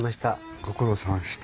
ご苦労さまでした。